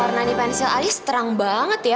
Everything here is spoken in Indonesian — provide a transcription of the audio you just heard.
warna di pensil alis terang banget ya